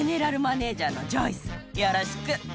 よろしく！